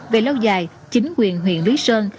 về lâu dài chính quyền huyện lý sơn